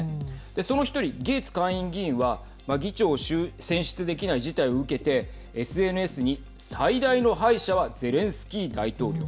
その１人ゲーツ下院議員は議長を選出できない事態を受けてＳＮＳに最大の敗者はゼレンスキー大統領。